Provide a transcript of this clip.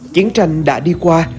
chiến tranh đã đi qua